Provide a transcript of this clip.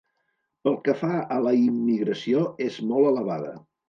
Pel que fa a la immigració és molt elevada.